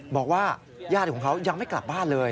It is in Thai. บอกว่าญาติของเขายังไม่กลับบ้านเลย